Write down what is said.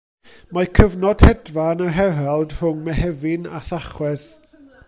Mae cyfnod hedfan yr herald rhwng Mehefin a Thachwedd.